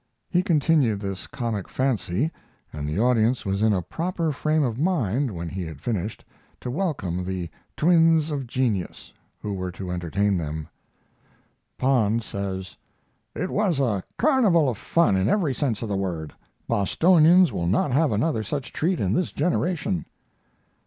He continued this comic fancy, and the audience was in a proper frame of mind, when he had finished, to welcome the "Twins of Genius" who were to entertain them: Pond says: It was a carnival of fun in every sense of the word. Bostonians will not have another such treat in this generation.